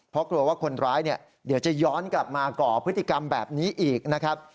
เพราะกลัวว่าคนร้ายเนี่ยเดี๋ยวจะย้อนกลับมาก่อพฤติกรรมแบบนี้อีกนะครับ